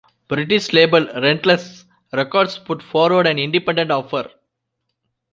British label Relentless Records put forward an independent offer.